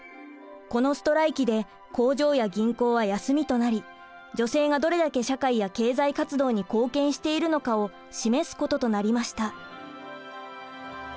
このストライキで工場や銀行は休みとなり女性がどれだけ社会や経済活動に貢献しているのかを示すこととなりました。